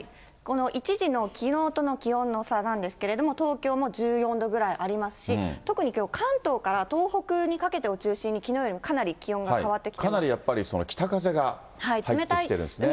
１時のきのうとの気温の差なんですけれども、東京も１４度ぐらいありますし、特にきょう、関東から東北にかけてを中心に、きのうよりかなり気温が変わってかなりやっぱり北風が入ってきてるんですね。